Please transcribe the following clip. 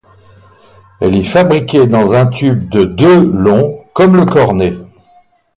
Elle est fabriquée dans un tube de de long comme le cornet.